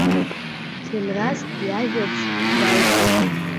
Ҭемраз иажәабжь даалгеит.